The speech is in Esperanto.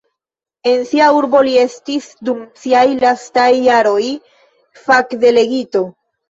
En sia urbo li estis dum siaj lastaj jaroj fakdelegito.